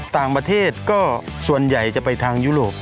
ต่างประเทศก็ส่วนใหญ่จะไปทางยุโรป